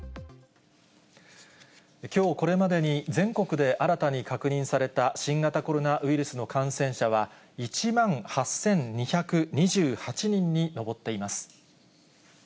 きょう、これまでに全国で新たに確認された新型コロナウイルスの感染者は１万８２２８人に上っています。